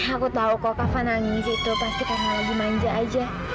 aku tahu kok kapan nangis itu pasti karena lagi manja aja